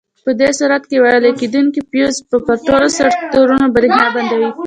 په دې صورت کې ویلې کېدونکي فیوز پر ټولو سرکټونو برېښنا بندوي.